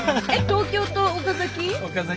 東京と岡崎？